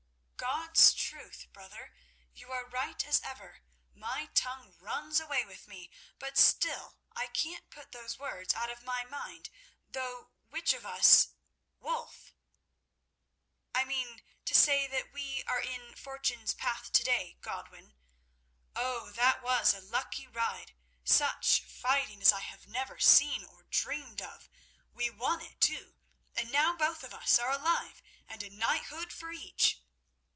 "God's truth, brother, you are right, as ever! My tongue runs away with me, but still I can't put those words out of my mind, though which of us—" "Wulf!" "I mean to say that we are in Fortune's path to day, Godwin. Oh, that was a lucky ride! Such fighting as I have never seen or dreamed of. We won it too! And now both of us are alive, and a knighthood for each!"